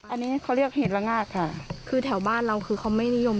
อันนี้เขาเรียกเหตุระงากค่ะคือแถวบ้านเราคือเขาไม่นิยม